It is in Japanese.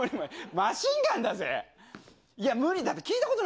マシンガンだぜ？